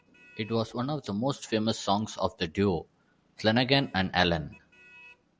It was one of the most famous songs of the duo Flanagan and Allen.